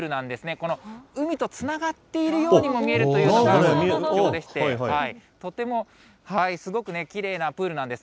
この海とつながっているようにも見えるということでして、とてもすごくきれいなプールなんです。